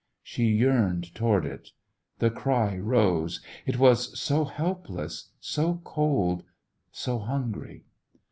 She yearned toward it. The cry rose. It was so helpless, so cold, so hungry.